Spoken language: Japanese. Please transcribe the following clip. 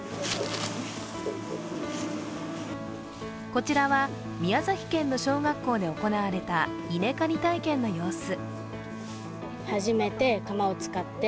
こちらは宮崎県の小学校で行われた稲刈り体験の様子。